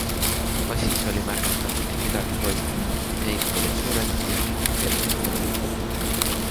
Juba siis oli märgata, et midagi toimub - käibed olid suured ja hind kerkis korralikult.